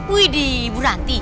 wih di ibu ranti